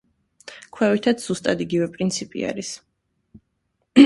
ქვევითაც ზუსტად იგივე პრინციპი არის.